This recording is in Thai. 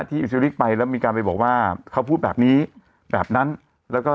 อิสริกไปแล้วมีการไปบอกว่าเขาพูดแบบนี้แบบนั้นแล้วก็